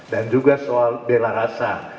dan juga soal bela rasa